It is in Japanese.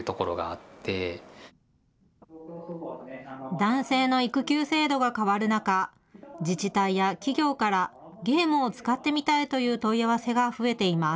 男性の育休制度が変わる中、自治体や企業からゲームを使ってみたいという問い合わせが増えています。